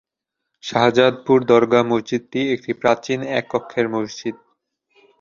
শাহজাদপুর দরগাহ মসজিদটি একটি প্রাচীন এক কক্ষের মসজিদ।